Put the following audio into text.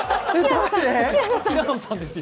平野さんですよ。